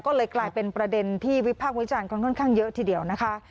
ก็เลยกลายเป็นประเด็นที่วิพากษ์วิจารณ์ค่อนข้างเยอะทีเดียวนะคะ